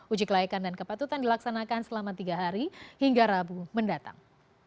uji kelayakan dan kepatutan dilaksanakan selama tiga hari hingga rabu mendatang